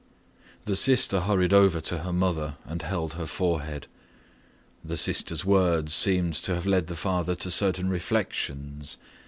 The sister hurried over to her mother and held her forehead. The sister's words seemed to have led the father to certain reflections.